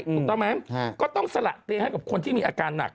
ถูกต้องไหมก็ต้องสละเตียงให้กับคนที่มีอาการหนัก